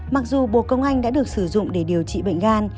mặc dù bộ công anh đã được sử dụng để điều trị bệnh gan